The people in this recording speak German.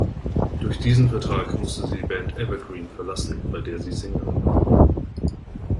Durch diesen Vertrag musste sie die Band "Evergreen" verlassen, bei der sie Sängerin war.